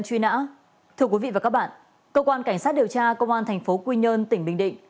thưa quý vị và các bạn cơ quan cảnh sát điều tra công an thành phố quy nhơn tỉnh bình định